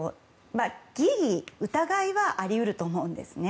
疑義、疑いはあり得ると思うんですね。